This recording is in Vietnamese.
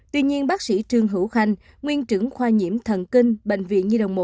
tuy nhiên bác sĩ trương hữu khanh nguyên trưởng khoa nhiễm thần kinh bệnh viện nhi đồng một